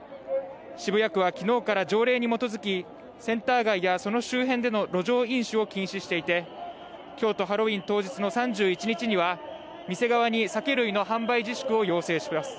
渋谷区は昨日から条例に基づき、センター街やその周辺での路上飲酒を禁止していて、今日とハロウィーン当日の３１日には、店側に酒類の販売自粛を要請します。